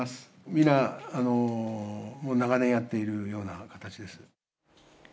みんな、もう長年やっているような形です。